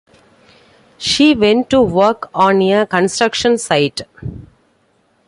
She went to work on a construction site.